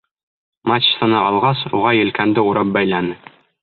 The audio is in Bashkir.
Мачтаны алғас, уға елкәнде урап бәйләне.